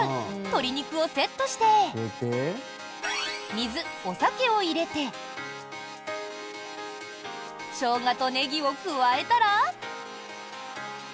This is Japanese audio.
鶏肉をセットして水、お酒を入れてショウガとネギを加えたら。